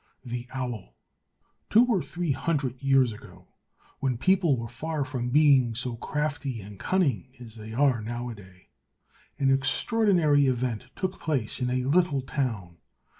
174 The Owl Two or three hundred years ago, when people were far from being so crafty and cunning as they are now a day, an extraordinary event took place in a little town.